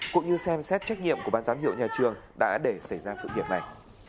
cũng như xem xét trách nhiệm của ban giám hiệu nhà trường đã để xảy ra sự việc này